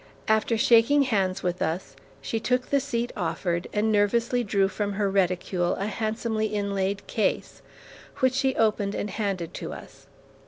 After shaking hands with us, she took the seat offered, and nervously drew from her reticule a handsomely inlaid case, which she opened and handed to us.